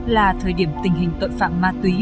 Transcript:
là thời điểm tình hình tội phạm ma túy